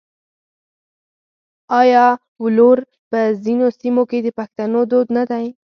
آیا ولور په ځینو سیمو کې د پښتنو دود نه دی؟